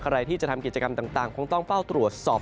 ใครที่จะทำกิจกรรมต่างคงต้องเฝ้าตรวจสอบ